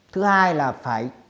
thứ hai là phải